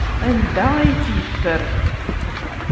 Anda ay tt-yeffer?